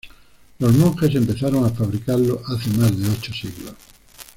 Los monjes empezaron a fabricarlo hace más de ocho siglos.